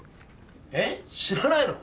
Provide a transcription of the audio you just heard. えっ知らないの？